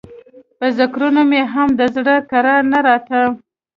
په ذکرونو مې هم د زړه کرار نه راته.